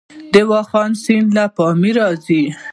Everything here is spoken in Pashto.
د واخان سیند له پامیر راځي